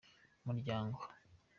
umuryango.